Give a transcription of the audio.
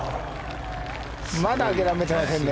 まだ諦めていませんね。